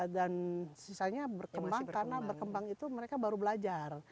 dan sisanya berkembang karena berkembang itu mereka baru belajar